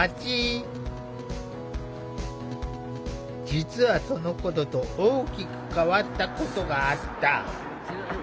実はそのころと大きく変わったことがあった。